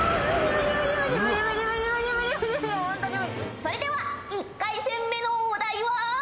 それでは１回戦目のお題は。